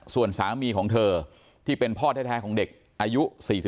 ส่วนสามีของเธอที่เป็นพ่อแท้ของเด็กอายุ๔๒